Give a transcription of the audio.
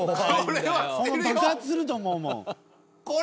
［爆発すると思うもん］